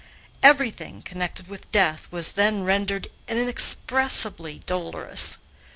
Everything connected with death was then rendered inexpressibly dolorous.